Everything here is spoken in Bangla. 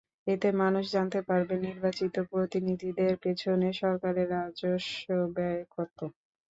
এতে মানুষ জানতে পারবে, নির্বাচিত প্রতিনিধিদের পেছনে সরকারের রাজস্ব ব্যয় কত।